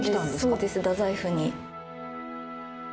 そうです太宰府に。